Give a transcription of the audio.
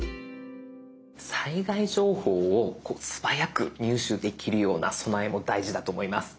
災害情報を素早く入手できるような備えも大事だと思います。